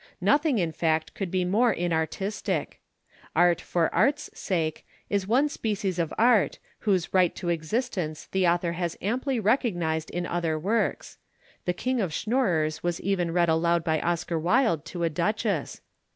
Nothing, in fact, could be more inartistic. "Art for art's sake" is one species of art, whose right to existence the author has amply recognised in other works. (The King of Schnorrers was even read aloud by Oscar Wilde to a duchess.)